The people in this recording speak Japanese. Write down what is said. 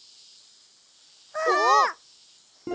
あっ！